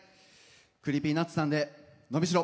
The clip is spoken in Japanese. ＣｒｅｅｐｙＮｕｔｓさんで「のびしろ」。